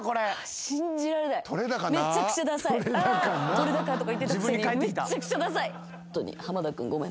「撮れ高」とか言ってたくせにめっちゃくちゃダサい。